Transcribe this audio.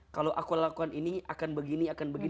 kalau aku lakukan ini akan begini